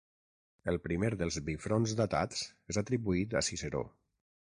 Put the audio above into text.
El primer dels bifronts datats es atribuït a Ciceró.